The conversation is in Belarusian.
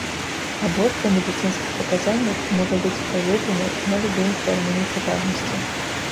Аборт па медыцынскіх паказаннях можа быць праведзены на любым тэрміне цяжарнасці.